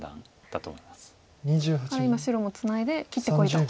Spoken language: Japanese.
だから今白もツナいで切ってこいと。